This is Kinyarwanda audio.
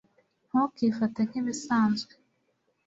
ntukifate nkibisanzwe